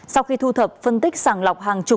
sau khi thu thập phân tích sàng lọc hàng chục